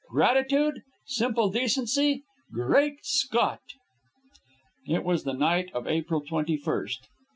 Gratitude? Simple decency? Great Scott!" It was the night of April twenty first.